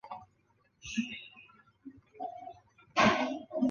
万历朝司礼监孙隆曾于万历十七年斥巨资修筑白沙堤并重建望湖亭。